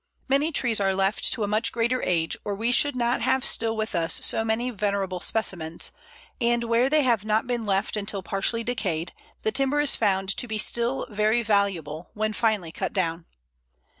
Many trees are left to a much greater age, or we should not have still with us so many venerable specimens, and where they have not been left until partially decayed, the timber is found to be still very valuable when finally cut down.